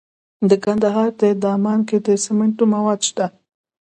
د کندهار په دامان کې د سمنټو مواد شته.